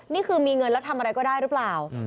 นี่คือมีเงินแล้วทำอะไรก็ได้หรือเปล่า